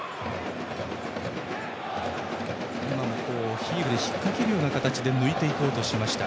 今もヒールで引っ掛けるような形で抜こうとしました。